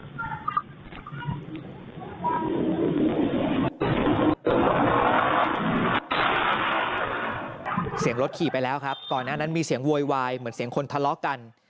เสียงรถขี่ไปแล้วครับก่อนหน้านั้นมีเสียงโวยวายเหมือนเสียงคนทะเลาะกัน